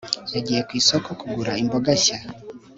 yagiye ku isoko kugura imboga nshya